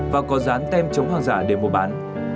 và có rán tem chống hoang dạ để mua bán